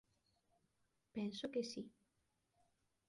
Penso que si.